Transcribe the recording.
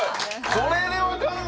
これでわかるの？